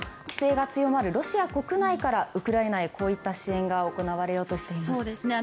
規制が強まるロシア国内からウクライナへこういった支援が行われようとしています。